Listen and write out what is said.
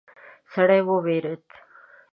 سړی وویرید.